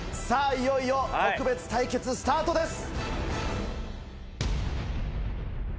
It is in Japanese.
いよいよ特別対決スタートです！